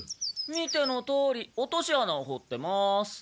見てのとおり落とし穴をほってます。